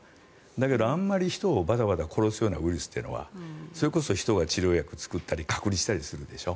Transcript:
だけどあんまり人をバタバタ殺すようなウイルスというのはそれこそ人が治療薬作ったり隔離したりするでしょ。